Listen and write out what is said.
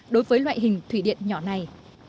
đối với loại hình thủy điện nhỏ này